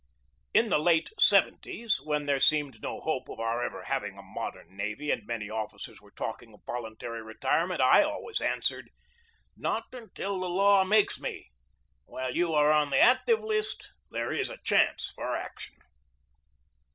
In the late seventies, when there seemed no hope of our ever having a modern navy, and many officers So GEORGE DEWEY were talking of voluntary retirement, I always an swered : "Not until the law makes me. While you are on the active list there is a chance for action."